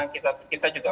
karena kita juga